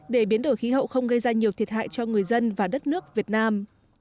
để biến đổi khí hậu không gây ra nhiều thiệt hại cho người dân và đất nước việt nam